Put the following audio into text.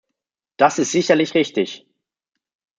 Das ist sicherlich richtig.